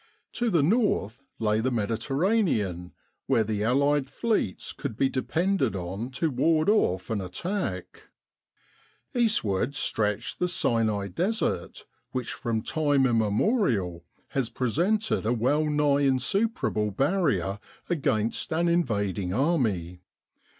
To the north lay the Mediterranean, where the Allied fleets could be depended on to ward off an attack. Eastward stretched the Sinai Desert, which from time immemorial has presented a well nigh in superable barrier against an invading army.